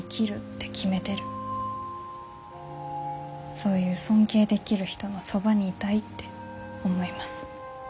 そういう尊敬できる人のそばにいたいって思います。